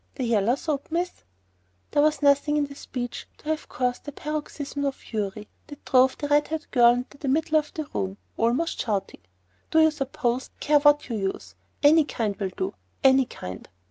The yaller soap, miss——" There was nothing in the speech to have caused the paroxysm of fury that drove the red haired girl into the middle of the room, almost shouting— "Do you suppose I care what you use? Any kind will do!—any kind!"